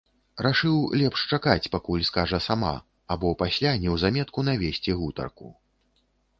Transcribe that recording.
Рашыў лепш чакаць, пакуль скажа сама, або пасля неўзаметку навесці гутарку.